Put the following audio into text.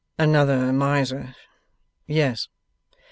'Another miser? Yes.